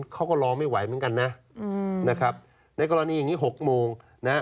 เขาก็รอไม่ไหวเหมือนกันนะนะครับในกรณีอย่างนี้๖โมงนะฮะ